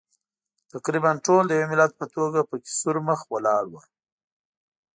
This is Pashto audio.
تقریباً ټول د یوه ملت په توګه پکې سور مخ ولاړ وو.